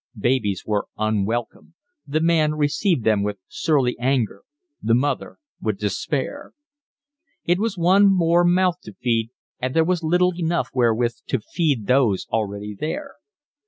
Babies were unwelcome, the man received them with surly anger, the mother with despair; it was one more mouth to feed, and there was little enough wherewith to feed those already there.